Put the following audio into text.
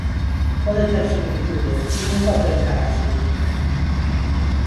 Pode ter similitudes, nunca o pensara así.